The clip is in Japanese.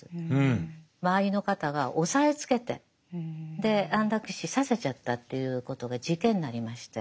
周りの方が押さえつけてで安楽死させちゃったということが事件になりまして。